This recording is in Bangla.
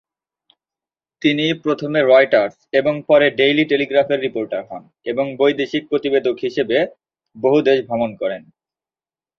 তিনি প্রথমে রয়টার্স এবং পরে ডেইলি টেলিগ্রাফের রিপোর্টার হন এবং বৈদেশিক প্রতিবেদক হিসেবে বহু দেশ ভ্রমণ করেন।